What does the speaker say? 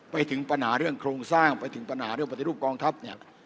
ไปถึงปัญหาเรื่องโครงสร้างไปถึงปัญหาเรื่องปฏิรูปกองทัพเนี่ย